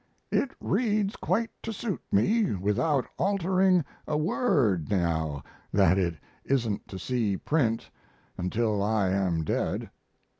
It reads quite to suit me without altering a word now that it isn't to see print until I am dead.